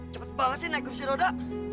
cepet banget sih naik kursi roda